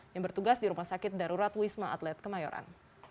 yang bertugas di rumah sakit darurat wisma atlet kemayoran